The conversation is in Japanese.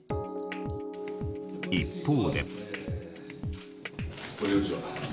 一方で。